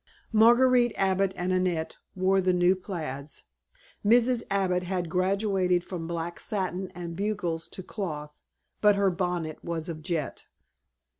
Marguerite Abbott and Annette wore the new plaids. Mrs. Abbott had graduated from black satin and bugles to cloth, but her bonnet was of jet.